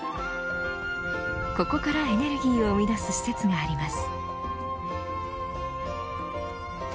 ここからエネルギーを生み出す施設があります。